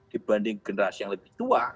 dibanding generasi yang lebih tua